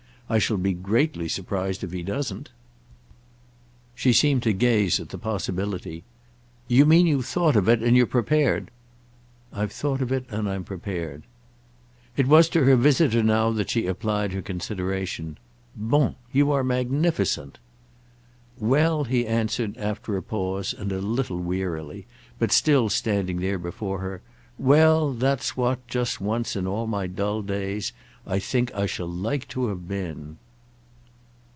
"I shall be greatly surprised if he doesn't." She seemed to gaze at the possibility. "You mean you've thought of it and you're prepared." "I've thought of it and I'm prepared." It was to her visitor now that she applied her consideration. "Bon! You are magnificent!" "Well," he answered after a pause and a little wearily, but still standing there before her—"well, that's what, just once in all my dull days, I think I shall like to have been!"